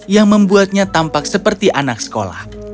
yang membuatnya tampak seperti anak sekolah